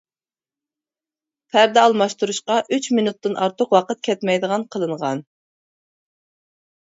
پەردە ئالماشتۇرۇشقا ئۈچ مىنۇتتىن ئارتۇق ۋاقىت كەتمەيدىغان قىلىنغان.